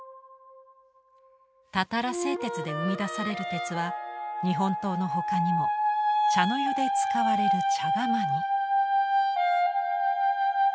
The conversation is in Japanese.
たたら製鉄で生み出される鉄は日本刀のほかにも茶の湯で使われる茶釜に。